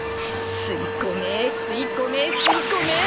吸い込め吸い込め吸い込め。